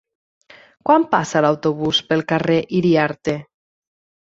Quan passa l'autobús pel carrer Iriarte?